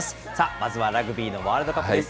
まずはラグビーのワールドカップです。